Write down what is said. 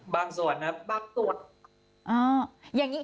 ส่วนครับบางส่วน